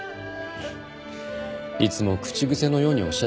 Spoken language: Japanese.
いつも口癖のようにおっしゃっていました。